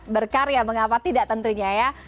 berkarya mengapa tidak tentunya ya